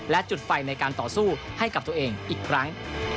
และจุดไฟในการต่อสู้ให้กับตัวเองอีกครั้ง